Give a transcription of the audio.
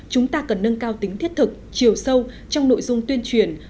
chúng ta cần nâng cao tính thiết thực chiều sâu trong nội dung tuyên truyền